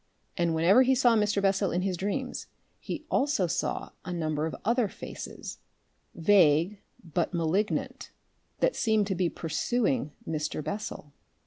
And whenever he saw Mr. Bessel in his dreams he also saw a number of other faces, vague but malignant, that seemed to be pursuing Mr. Bessel.